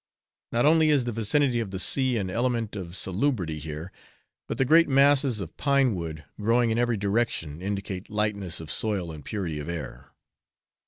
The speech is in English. Not only is the vicinity of the sea an element of salubrity here; but the great masses of pine wood growing in every direction indicate lightness of soil and purity of air.